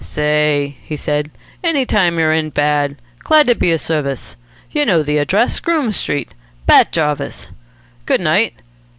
"Say!" he said. "Any time you're in bad. Glad to be of service. You know the address. Groome Street. Bat Jarvis. Good night.